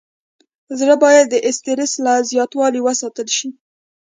زړه باید د استرس له زیاتوالي وساتل شي.